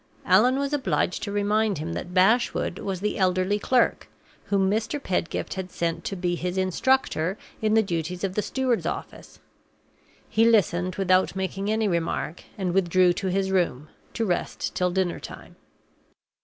Allan was obliged to remind him that Bashwood was the elderly clerk, whom Mr. Pedgift had sent to be his instructor in the duties of the steward's office. He listened without making any remark, and withdrew to his room, to rest till dinner time.